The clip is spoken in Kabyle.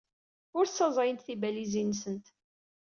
Ur ssaẓayent tibalizin-nsent.